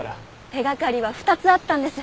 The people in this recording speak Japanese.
手掛かりは２つあったんです。